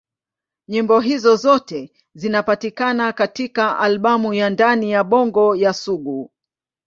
Nyimbo hizo zote zinapatikana katika albamu ya Ndani ya Bongo ya Sugu.